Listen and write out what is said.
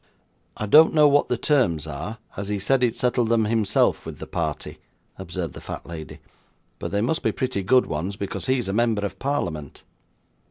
'I don't know what the terms are, as he said he'd settle them himself with the party,' observed the fat lady; 'but they must be pretty good ones, because he's a member of parliament.